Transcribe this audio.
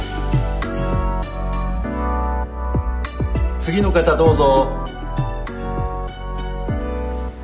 ・次の方どうぞ。